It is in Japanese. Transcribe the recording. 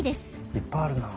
いっぱいあるな。